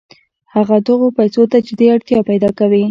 هغه دغو پیسو ته جدي اړتیا پیدا کوي